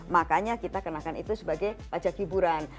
makanya kita kenakan itu sebagai pajak hiburan